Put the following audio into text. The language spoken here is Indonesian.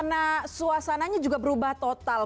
nah suasananya juga berubah total